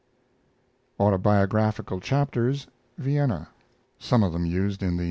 Autobiographical chapters (Vienna); some of them used in the N.